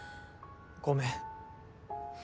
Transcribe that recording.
ごめん。